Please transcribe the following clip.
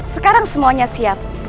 sekarang semuanya siap